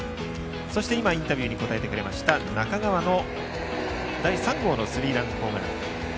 そして、今、インタビューに答えてくれました中川の第３号のスリーランホームラン。